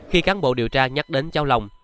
khi cán bộ điều tra nhắc đến cháu lòng